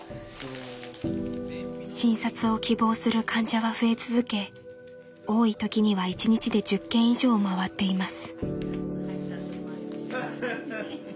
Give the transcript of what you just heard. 診察を希望する患者は増え続け多い時には一日で１０軒以上を回っています。